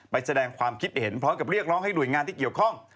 แสดงความคิดเห็นพร้อมกับเรียกร้องให้หน่วยงานที่เกี่ยวข้อง